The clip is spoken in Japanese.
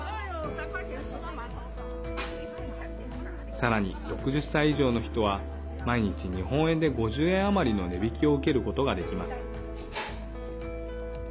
さらに６０歳以上の人は毎日、日本円で５０円余りの値引きを受けることができます。